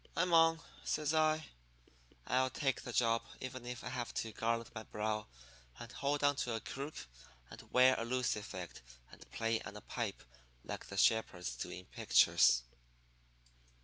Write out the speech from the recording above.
"'I'm on,' says I. 'I'll take the job even if I have to garland my brow and hold on to a crook and wear a loose effect and play on a pipe like the shepherds do in pictures.'